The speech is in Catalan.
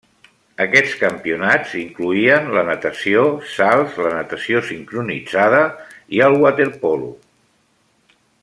Aquests campionats incloïen la natació, salts, la natació sincronitzada i el waterpolo.